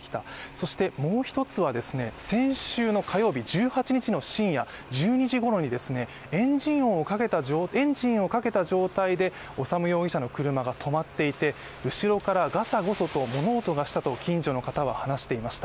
そして、もう１つは先週の火曜日１８日の深夜１２時ごろにエンジンをかけた状態で修容疑者の車が止まっていて、後ろからがさごそと物音がしたと、近所の方は話していました。